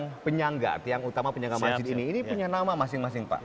yang penyangga tiang utama penyangga masjid ini ini punya nama masing masing pak